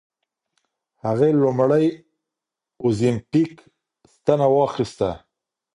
هغې لومړۍ اوزیمپیک ستنه واخیسته.